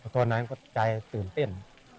ตอนนั้นก็ใจตื่นเต้น